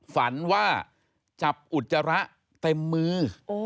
ฝันว่าจับอุจจาระเต็มมือ